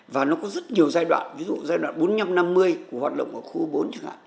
và nó có rất nhiều giai đoạn ví dụ giai đoạn bốn mươi năm năm mươi của hoạt động ở khu bốn chẳng hạn